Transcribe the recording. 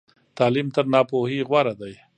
تعلیم تر ناپوهۍ غوره دی.